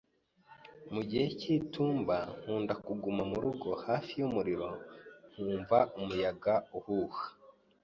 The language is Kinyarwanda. Mu gihe cy'itumba, nkunda kuguma murugo hafi yumuriro nkumva umuyaga uhuha.